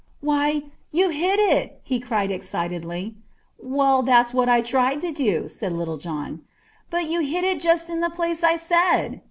"Why, you hit it!" he cried excitedly. "Well, that's what I tried to do," said Little John. "But you hit it just in the place I said."